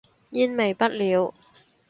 煙味不了